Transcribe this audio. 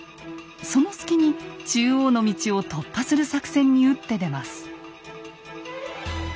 その隙に中央の道を突破する作戦に打って出ます。